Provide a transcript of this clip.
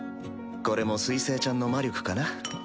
これも水星ちゃんの魔力かな。